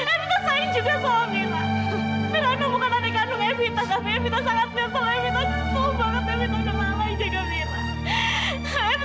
evita sayang juga sama mirah